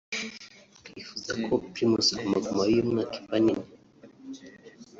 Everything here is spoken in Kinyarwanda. “Twifuza ko Primus Guma Guma y’uyu mwaka iba nini